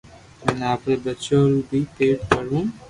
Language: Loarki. ھين آپري ٻچو رو بي پيت ڀروو